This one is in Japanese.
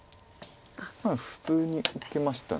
普通に受けました。